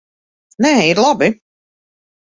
Nē, ir labi.